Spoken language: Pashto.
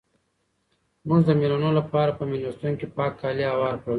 موږ د مېلمنو لپاره په مېلمستون کې پاک کالي هوار کړل.